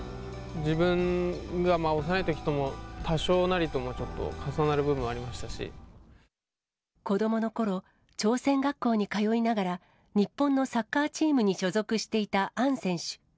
自分が幼いときとも、多少なりとも、ちょっと重なる部分もありま子どものころ、朝鮮学校に通いながら、日本のサッカーチームに所属していたアン選手。